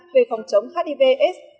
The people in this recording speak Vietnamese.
về phòng chống hiv aids